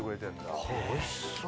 これおいしそう！